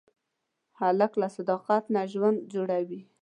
هلک له صداقت نه ژوند جوړوي.